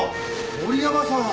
森山さん！